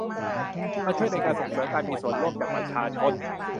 มาช่วยในการส่งเสริมการมีส่วนร่วมจากประชาชน